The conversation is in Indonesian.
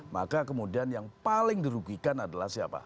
maka kemudian yang paling dirugikan adalah siapa